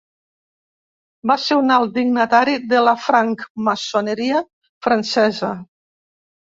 Va ser un alt dignatari de la francmaçoneria francesa.